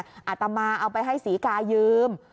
อาตมาเอาไปให้ศรีกายืม